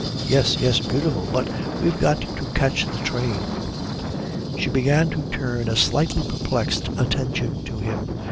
Yes, yes, beautiful but we've got to catch the train." She began to turn a slightly perplexed attention to him.